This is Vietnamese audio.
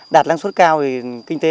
đạt lăng suất cao kinh tế